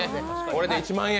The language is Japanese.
これで１万円。